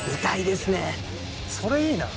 それいいな。